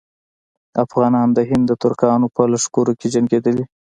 افغانان د هند د ترکانو په لښکرو کې جنګېدلي.